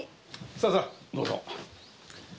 さあさあどうぞ。